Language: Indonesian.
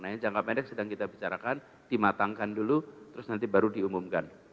nah ini jangka pendek sedang kita bicarakan dimatangkan dulu terus nanti baru diumumkan